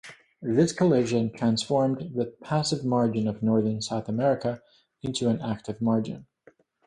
This collision transformed the passive margin of northern South America into an active margin.